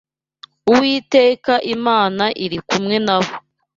Uwiteka Imana iri kumwe na bo